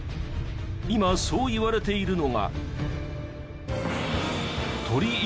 今そう言われているのが。